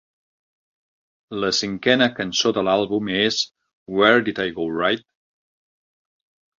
La cinquena cançó de l'àlbum és "Where Did I Go Right?".